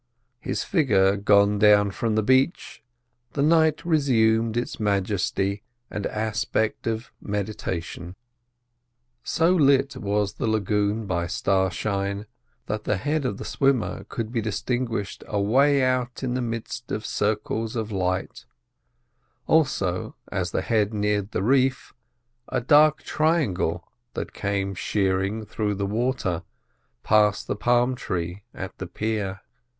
His figure gone from the beach, the night resumed its majesty and aspect of meditation. So lit was the lagoon by starshine that the head of the swimmer could be distinguished away out in the midst of circles of light; also, as the head neared the reef, a dark triangle that came shearing through the water past the palm tree at the pier.